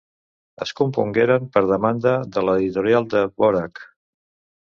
Es compongueren per demanda de l'editorial de Dvořák.